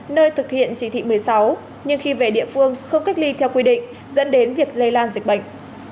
nơi thực hiện chỉ thị một mươi sáu nhưng khi về địa phương không cách ly theo quy định dẫn đến việc lây lan dịch bệnh